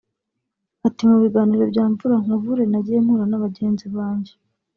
Ati “ Mu biganiro bya Mvura nkuvure nagiye mpura na bagenzi banjye